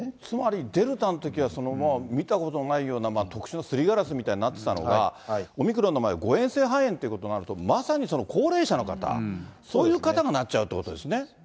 つまり、デルタのときは、見たこともないような特殊なすりガラスみたいになってたのが、オミクロンの場合は誤嚥性肺炎ということになると、まさに高齢者の方、そういう方がなっちゃうということですね。